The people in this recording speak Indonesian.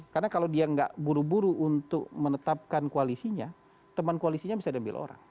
karena kalau dia nggak buru buru untuk menetapkan koalisinya teman koalisinya bisa diambil orang